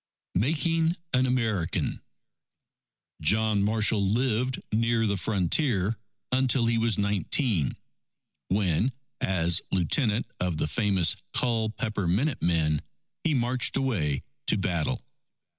Making an American John Marshall lived near the frontier, until he was nineteen, when as Lieutenant of the famous Culpeper Minute Men, he marched away to battle.